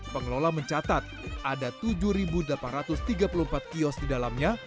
pengelola mencatat ada tujuh delapan ratus tiga puluh empat kios di dalamnya